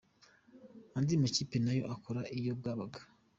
"Andi makipe nayo akora iyo bwabaga".